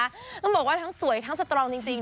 ต้องบอกว่าทั้งสวยทั้งสตรองจริง